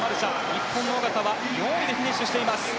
日本の小方は４位でフィニッシュしています。